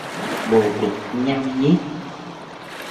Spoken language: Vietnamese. Bồ bịch nhăng nhít